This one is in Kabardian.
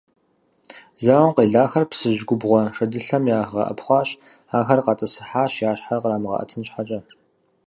Зауэм къелахэр Псыжь губгъуэ шэдылъэм ягъэӏэпхъуащ, ахэр къатӏысыхьащ, я щхьэр кърамыгъэӏэтын щхьэкӏэ.